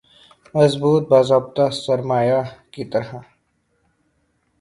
مضبوط باضابطہ سرمایہ کی طرح